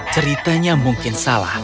ceritanya mungkin salah